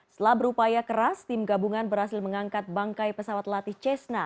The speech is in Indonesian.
setelah berupaya keras tim gabungan berhasil mengangkat bangkai pesawat latih cessna